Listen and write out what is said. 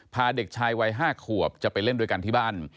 พาเด็กชายวัย๕ขวบจะไปเล่นด้วยกันที่บ้าน